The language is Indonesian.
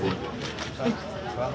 terima kasih pak